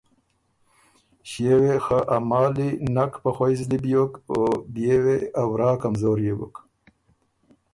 ݭيې وې خه ا مالی نک په خوئ زلی بیوک او بيې وې ا ورا کمزوريې بُک